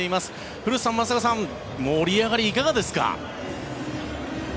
古田さん、松坂さん盛り上がり、いかがですか？